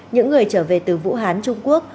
những người trở về từ vũ hán trung quốc